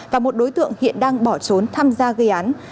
và một đối tượng hiện đang bỏ trốn tham gia gây án